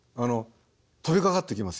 飛びかかってきますよ。